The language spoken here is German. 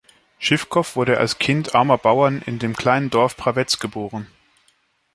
Schiwkow wurde als Kind armer Bauern in dem kleinen Dorf Prawez geboren.